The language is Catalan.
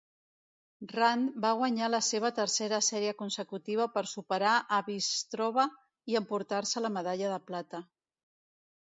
Rand va guanyar la seva tercera sèrie consecutiva per superar a Bystrova i emportar-se la medalla de plata.